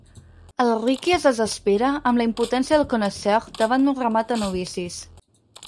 El Riqui es desespera amb la impotència del connaisseur davant d'un ramat de novicis.